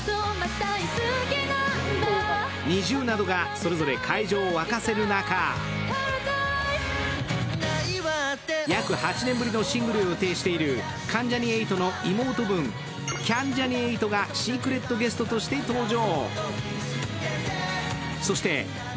東京ドーム会場を沸かせる中約８年ぶりのシングルを予定している関ジャニ∞の妹分、キャンジャニ∞がシークレットゲストとして登場。